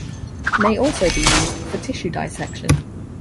May also be used for tissue dissection.